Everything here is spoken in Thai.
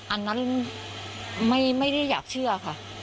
อันนั้นไม่ได้อยากเชื่อค่ะ